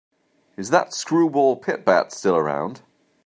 Is that screwball Pit-Pat still around?